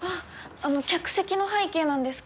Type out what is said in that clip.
あの客席の背景なんですけど。